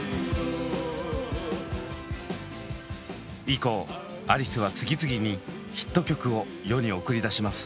以降アリスは次々にヒット曲を世に送り出します。